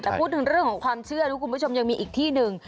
แต่พูดถึงเรื่องของความเชื่อนะคุณผู้ชมยังมีอีกที่หนึ่ง